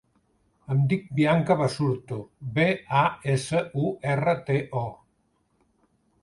Em dic Bianca Basurto: be, a, essa, u, erra, te, o.